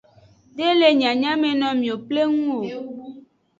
De le nyanyamenomiwo pleng o.